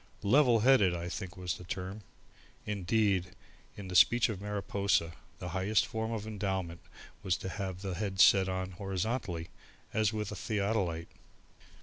"Level headed" I think was the term; indeed in the speech of Mariposa, the highest form of endowment was to have the head set on horizontally as with a theodolite.